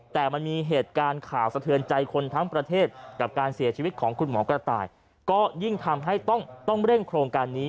แต่มันมีเหตุการณ์ข่าวสะเทือนใจคนทั้งประเทศกับการเสียชีวิตของคุณหมอกระต่ายก็ยิ่งทำให้ต้องเร่งโครงการนี้